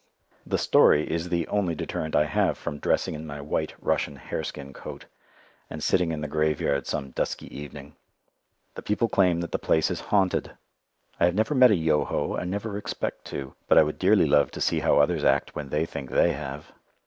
The story is the only deterrent I have from dressing in my white Russian hareskin coat, and sitting in the graveyard some dusky evening. The people claim that the place is haunted. I have never met a "Yoho" and never expect to, but I would dearly love to see how others act when they think they have.